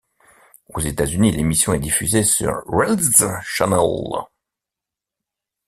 Aux États-Unis, l'émission est diffusée sur ReelzChannel.